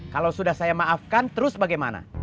kalau sudah saya maafkan terus bagaimana